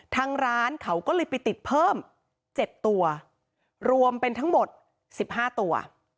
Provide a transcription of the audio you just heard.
ทางร้านเขาก็เลยไปติดเพิ่ม๗ตัวรวมเป็นทั้งหมด๑๕ตัว